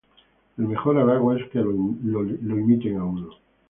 El mejor halago es que lo imiten a uno.